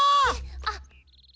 あっ！